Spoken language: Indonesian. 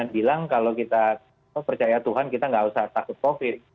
bilang kalau kita percaya tuhan kita nggak usah takut covid